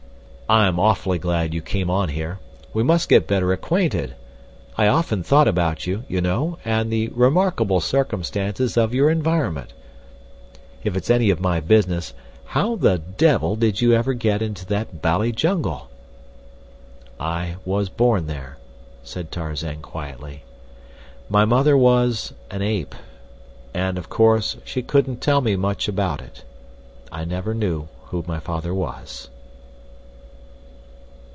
"I'm awfully glad you came on here. We must get better acquainted. I often thought about you, you know, and the remarkable circumstances of your environment. "If it's any of my business, how the devil did you ever get into that bally jungle?" "I was born there," said Tarzan, quietly. "My mother was an Ape, and of course she couldn't tell me much about it. I never knew who my father was."